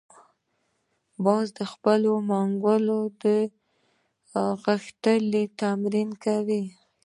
باز د خپلو منګولو غښتلي تمرین کوي